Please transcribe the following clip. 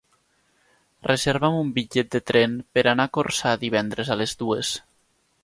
Reserva'm un bitllet de tren per anar a Corçà divendres a les dues.